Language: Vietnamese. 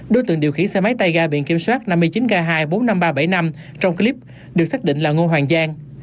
đối tượng điều khiển xe máy tay ga biển kiểm soát năm mươi chín k hai bốn mươi năm nghìn ba trăm bảy mươi năm trong clip được xác định là ngô hoàng giang